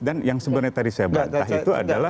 dan yang sebenarnya tadi saya bantah itu adalah